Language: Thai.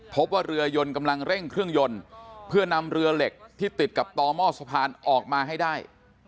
พบว่าเรือยนกำลังเร่งเครื่องยนต์เพื่อนำเรือเหล็กที่ติดกับต่อหม้อสะพานออกมาให้ได้